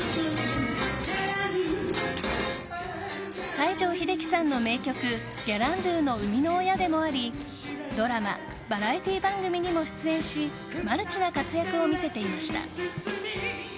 西城秀樹さんの名曲「ギャランドゥ」の生みの親でもありドラマ、バラエティー番組にも出演しマルチな活躍を見せていました。